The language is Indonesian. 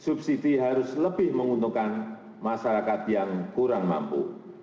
subsidi harus lebih menguntungkan masyarakat yang kurang mampu